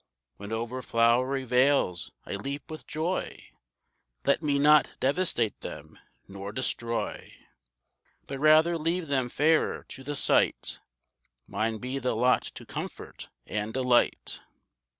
When over flowery vales I leap with joy, Let me not devastate them, nor destroy, But rather leave them fairer to the sight; Mine be the lot to comfort and delight.